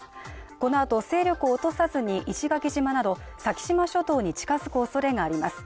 このあと勢力を落とさずに石垣島など先島諸島に近づくおそれがあります。